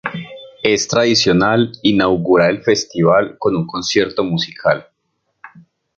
Es tradicional inaugurar el Festival con un concierto musical.